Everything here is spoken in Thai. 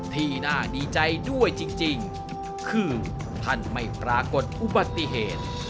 ที่น่าดีใจด้วยจริงคือท่านไม่ปรากฏอุบัติเหตุ